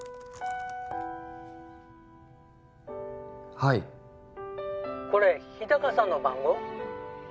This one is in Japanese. はい☎これ日高さんの番号？